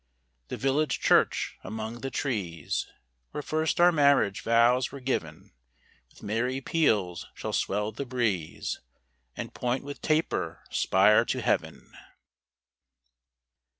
The village church, among the trees, Where first our marriage vows were giv'n, With merry peals shall swell the breeze, And point with taper spire to heav'n.